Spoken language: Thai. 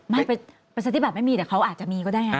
ไม่ประชาธิบัติไม่มีแต่เขาอาจจะมีก็ได้ไง